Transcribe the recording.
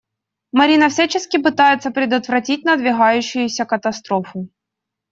Марина всячески пытается предотвратить надвигающуюся катастрофу.